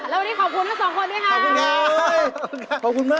แล้ววันนี้ขอบคุณทั้งสองคนด้วยค่ะ